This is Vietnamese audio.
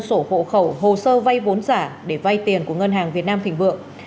sổ hộ khẩu hồ sơ vay vốn giả để vay tiền của ngân hàng việt nam thỉnh vượng